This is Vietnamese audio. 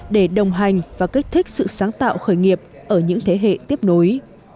để đồng hành và kích thích sự sáng tạo khởi nghiệp ở những thế hệ tiếp nối